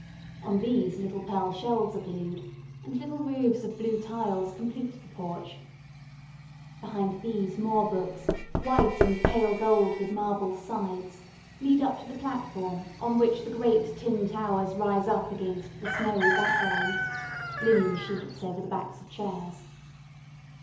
On these little pearl shells are glued, and little roofs of blue tiles complete the porch. Behind these more books, white and pale gold with marbled sides, lead up to the platform on which the great tin towers rise up against the snowy background (linen sheets over the backs of chairs).